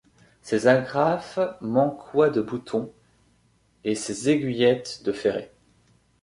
Ses agraphes manquoyent de boutons, et ses aiguillettes de ferrets.